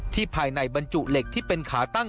ภายในบรรจุเหล็กที่เป็นขาตั้ง